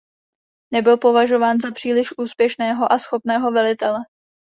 Nebyl považován za příliš úspěšného a schopného velitele.